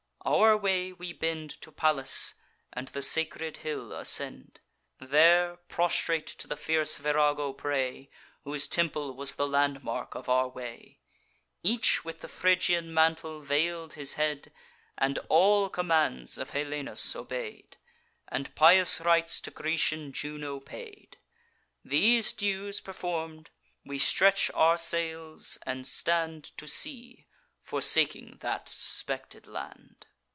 Our way we bend To Pallas, and the sacred hill ascend; There prostrate to the fierce Virago pray, Whose temple was the landmark of our way. Each with a Phrygian mantle veil'd his head, And all commands of Helenus obey'd, And pious rites to Grecian Juno paid. These dues perform'd, we stretch our sails, and stand To sea, forsaking that suspected land.